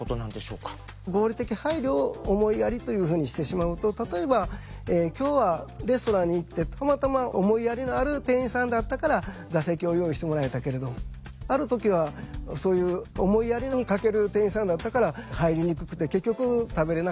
合理的配慮を「思いやり」というふうにしてしまうと例えば今日はレストランに行ってたまたま思いやりのある店員さんだったから座席を用意してもらえたけれどある時はそういう思いやりに欠ける店員さんだったから入りにくくて結局食べれなかった。